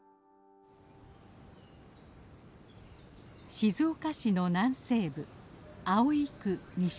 静岡市の南西部葵区西又地区。